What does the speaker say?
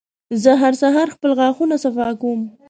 زه هر سهار خپل غاښونه صفا کوم.